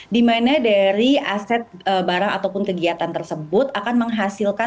dimana dari aset barang ataupun kegiatan tersebut akan menghasilkan